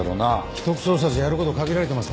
秘匿捜査じゃやれる事限られてますもんね。